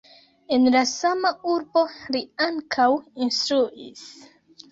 En La sama urbo li ankaŭ instruis.